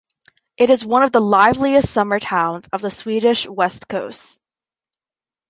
It is one of the liveliest "summer towns" of the Swedish west coast.